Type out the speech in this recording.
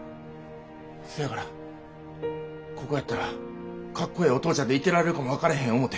せやからここやったらかっこええお父ちゃんでいてられるかも分かれへん思て。